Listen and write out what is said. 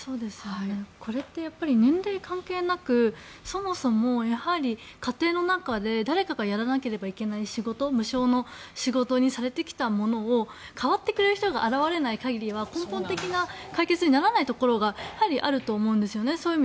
これって年齢関係なくそもそも、家庭の中で誰かがやらなければいけない仕事無償の仕事とされてきたものを代わってくれる人が現れない限りは根本的な解決にならないところがあると思うんですね。